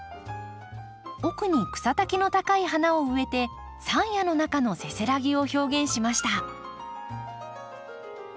奥に草丈の高い花を植えて山野の中のせせらぎを表現しました。